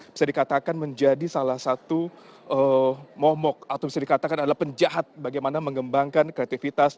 bisa dikatakan menjadi salah satu momok atau bisa dikatakan adalah penjahat bagaimana mengembangkan kreativitas